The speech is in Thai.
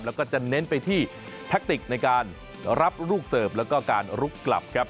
แล้วก็จะเน้นไปที่แทคติกในการรับลูกเสิร์ฟแล้วก็การลุกกลับครับ